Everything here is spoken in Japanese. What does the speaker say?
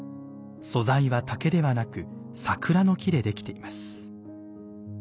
素材は竹ではなく桜の木でできています。